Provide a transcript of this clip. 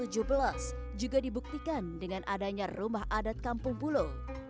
juga dibuktikan dengan adanya rumah adat kampung pulo